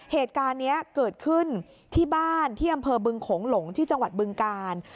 เหตุการณ์นี้เกิดขึ้นที่บ้านที่อำเภอบึงโขงหลงที่จังหวัดบึงกาล